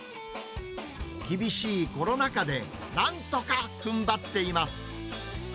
厳しいコロナ禍で、なんとかふんばっています。